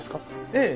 ええ。